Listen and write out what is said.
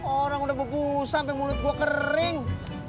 orang udah buku sampe mulut gua kering